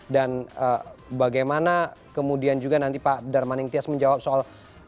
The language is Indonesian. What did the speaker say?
dan bagaimana kemudian juga nanti pak darman inktias menjawab soal